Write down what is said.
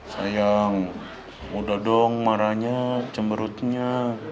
sayang udah dong marahnya cemberutnya